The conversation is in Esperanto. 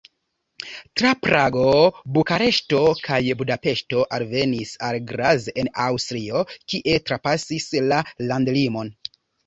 Tra Prago, Bukareŝto kaj Budapeŝto alvenis al Graz en Aŭstrio, kie trapasis la landlimon.